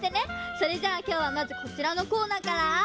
それじゃあきょうはまずこちらのコーナーから。